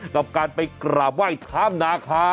กับการไปกราบไหว้ข้ามนาคา